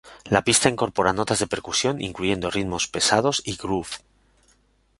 La pista incorpora notas de percusión, incluyendo ritmos pesados y "groove".